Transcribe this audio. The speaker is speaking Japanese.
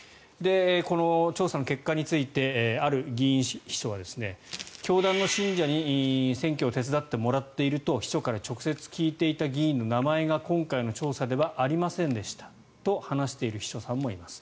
この調査の結果についてある議員秘書は教団の信者に選挙を手伝ってもらっていると秘書から直接聞いていた議員の名前が今回の調査ではありませんでしたと話している秘書さんもいます。